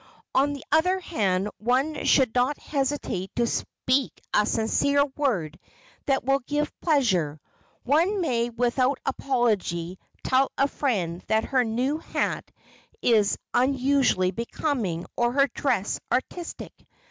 On the other hand, one should not hesitate to speak a sincere word that will give pleasure; one may without apology tell a friend that her new hat is unusually becoming or her dress artistic.